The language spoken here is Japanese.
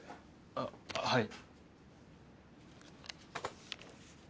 あっはい。